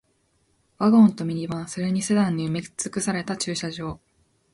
ワゴンとミニバン、それにセダンに埋め尽くされた駐車場